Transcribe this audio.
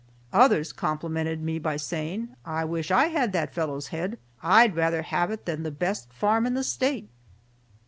Others complimented me by saying, "I wish I had that fellow's head. I'd rather have it than the best farm in the State."